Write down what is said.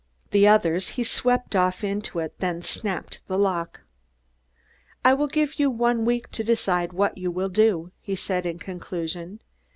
The others he swept off into it, then snapped the lock. "I will give you one week to decide what you will do," he said in conclusion.